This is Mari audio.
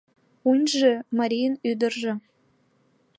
Уньжы марийын ӱдыржӧ